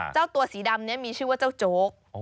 เจ้าตัวสีดำนี้มีชื่อว่าเจ้าโจ๊ก